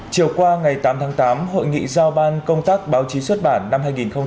chiều qua ngày tám tháng tám hội nghị giao ban công tác báo chí xuất bản năm hai nghìn một mươi chín